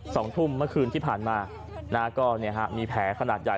สองทุ่มเมื่อคืนที่ผ่านมานะฮะก็เนี่ยฮะมีแผลขนาดใหญ่